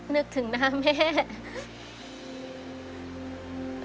นึกถึงหน้าแม่